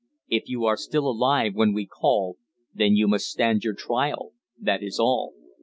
If you are still alive when we call, then you must stand your trial that is all.